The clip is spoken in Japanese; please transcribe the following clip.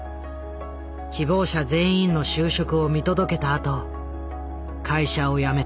希望者全員の就職を見届けたあと会社を辞めた。